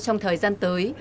trong thời gian tới